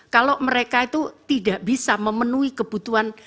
kalau mereka itu tidak bisa memenuhi kebutuhan